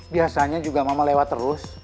biasanya juga mama lewat terus